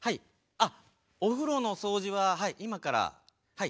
あお風呂の掃除ははい今からはい。